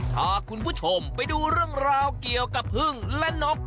พาคุณผู้ชมไปดูเรื่องราวเกี่ยวกับพึ่งและนก